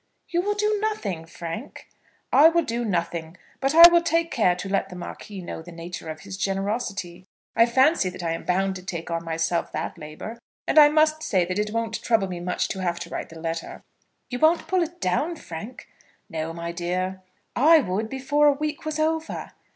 "You will do nothing, Frank?" "I will do nothing; but I will take care to let the Marquis know the nature of his generosity. I fancy that I am bound to take on myself that labour, and I must say that it won't trouble me much to have to write the letter." "You won't pull it down, Frank?" "No, my dear." "I would, before a week was over."